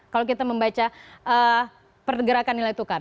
kalau kita membaca pergerakan nilai tukar